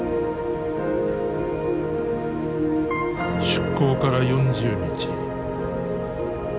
出港から４０日。